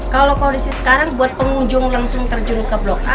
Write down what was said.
kalau kondisi sekarang buat pengunjung langsung terjun ke blok a